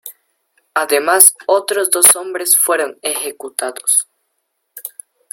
Además, otros dos hombres fueron ejecutados.